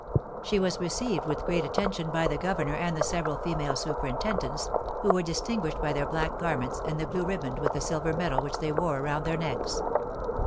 She was received with great attention by the governor and the several female superintendents, who were distinguished by their black garments and the blue riband with the silver medal which they wore around their necks.